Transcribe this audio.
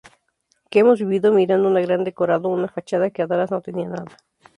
Que hemos vivido mirando un gran decorado, una fachada que atrás no tenía nada".